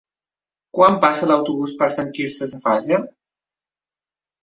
Quan passa l'autobús per Sant Quirze Safaja?